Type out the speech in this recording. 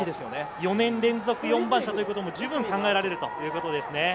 ４年連続４番車ということも十分に考えられるということですね。